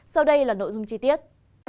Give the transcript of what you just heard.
sau đây là nội dung chi tiết